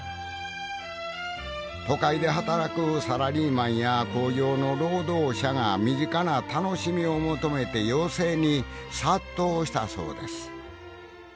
都会で働くサラリーマンや工場の労働者が身近な楽しみを求めて寄席に殺到したそうです